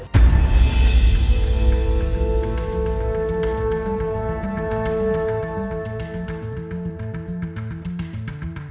pemilikan kantor polisi